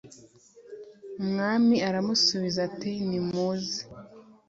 umwami aramusubiza ati nimuze